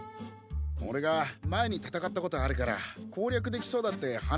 おれが前に戦ったことあるから攻略できそうだって話してたんだ。